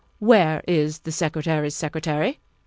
" Where is the Secretary's secretary?"